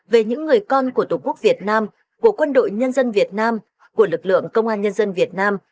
về những người con của tổ quốc việt nam của quân đội nhân dân việt nam của lực lượng công an nhân dân việt nam